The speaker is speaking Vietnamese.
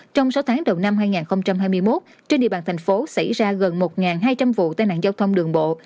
trong sáu tháng đầu năm hai nghìn hai mươi một trên địa bàn thành phố xảy ra gần một hai trăm linh vụ tai nạn giao thông đường bộ